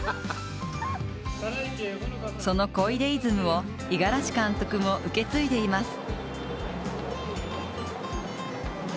その小出イズムを五十嵐監督も受け継いでいます。